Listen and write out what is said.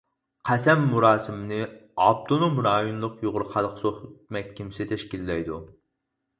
قەسەم مۇراسىمىنى ئاپتونوم رايونلۇق يۇقىرى خەلق سوت مەھكىمىسى تەشكىللەيدۇ.